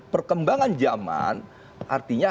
perkembangan zaman artinya